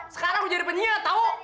sekarang mau jadi penyiar tau